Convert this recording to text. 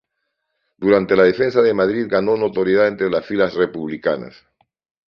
Durante la Defensa de Madrid ganó notoriedad entre las filas republicanas.